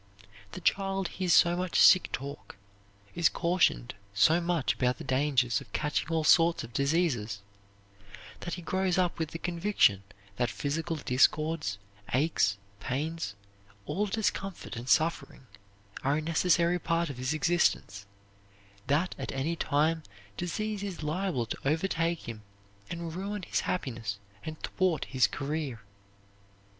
The child hears so much sick talk, is cautioned so much about the dangers of catching all sorts of diseases, that he grows up with the conviction that physical discords, aches, pains, all discomfort and suffering, are a necessary part of his existence, that at any time disease is liable to overtake him and ruin his happiness and thwart his career.